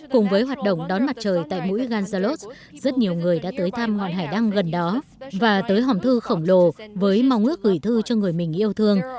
cùng với hoạt động đón mặt trời tại mũi ganjalot rất nhiều người đã tới thăm ngọn hải đăng gần đó và tới hòm thư khổng lồ với mong ước gửi thư cho người mình yêu thương